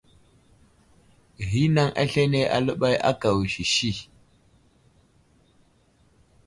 Ghinaŋ aslane aləbay aka wusisi.